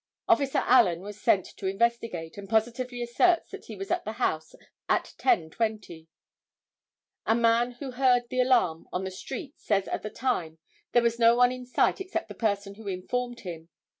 Officer Allen was sent to investigate, and positively asserts that he was at the house at 10:20. A man who heard the alarm on the street says that at the time there was no one in sight except the person who informed him.